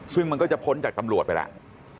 ซึ่งมันก็จะพ้นจากตำรวจไปแล้ว